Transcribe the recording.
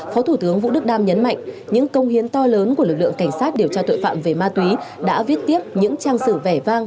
phó thủ tướng vũ đức đam nhấn mạnh những công hiến to lớn của lực lượng cảnh sát điều tra tội phạm về ma túy đã viết tiếp những trang sử vẻ vang